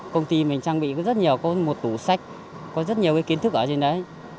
công ty mình trang bị rất nhiều có một tủ sách có rất nhiều kiến thức ở trên đấy